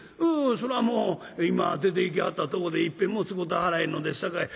「それはもう今出ていきはったとこでいっぺんも使うてはらへんのですさかい